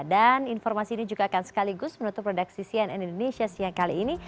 dan informasi ini juga akan sekaligus menutup redaksi cnn indonesia siang kali ini